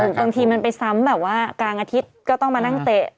บางทีมันไปซ้ำแบบว่ากลางอาทิตย์ก็ต้องมานั่งเตะ